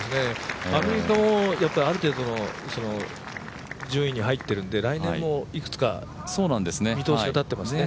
アメリカもある程度の順位に入ってるんで来年もいくつか見通しが立ってますね。